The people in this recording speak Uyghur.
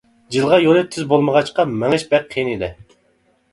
جىلغا يولى تۈز بولمىغاچقا، مېڭىش بەك قىيىن ئىدى.